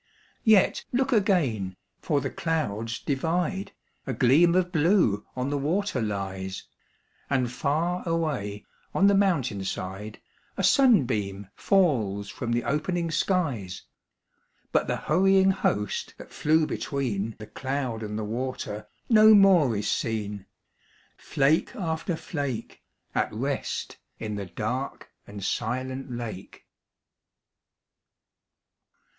Yet look again, for the clouds divide ; A gleam of blue on the water lies ; And far away, on the mountain side, A sunbeam falls from the opening skies. But the hurrying host that flew between The cloud and the water, no more is seen : Flake after flake At rest in the dark and silent lake.